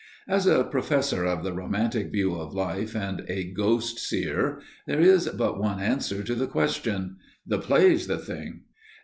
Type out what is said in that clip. As a professor of the romantic view of life and a "ghost seer," there is but one answer to the question. "The play's the thing!"